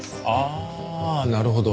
ああなるほど。